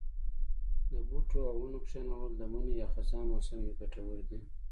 د بوټو او ونو کښېنول د مني یا خزان موسم کې کټور دي.